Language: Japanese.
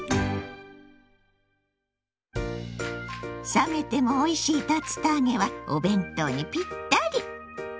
冷めてもおいしい竜田揚げはお弁当にピッタリ。